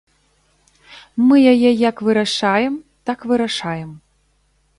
Мы яе як вырашаем, так вырашаем.